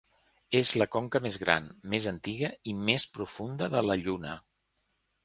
És la conca més gran, més antiga i més profunda de la Lluna.